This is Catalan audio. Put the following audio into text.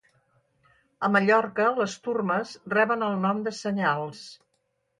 A Mallorca les turmes reben el nom de senyals